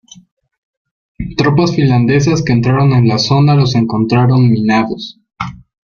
Tropas finlandesas que entraron en la zona los encontraron minados.